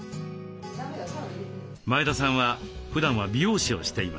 前田さんはふだんは美容師をしています。